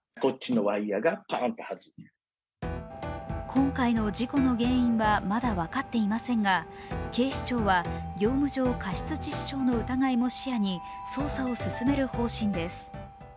今回の事故の原因はまだ分かっていませんが警視庁は業務上過失致死傷の疑いも視野に捜査を進める方針です。